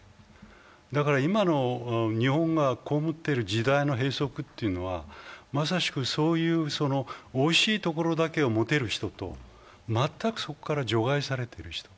だから今の日本がこうむっている時代の閉塞というのは、まさしく、おいしいところだけを持てる人と全くそこから除外されている人。